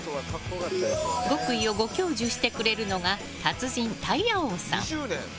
極意をご教授してくれるのが達人、タイヤ王さん。